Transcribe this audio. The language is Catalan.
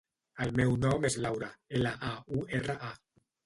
El meu nom és Laura: ela, a, u, erra, a.